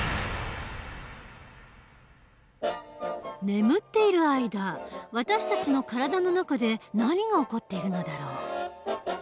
眠っている間私たちの体の中で何が起こっているのだろう？